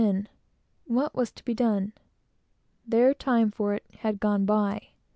But what was to be done? The time for it had gone by.